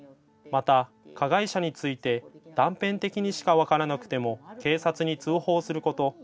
また加害者について断片的にしか分からなくても警察に通報すること。